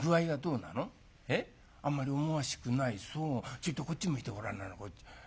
ちょいとこっち向いてごらんな。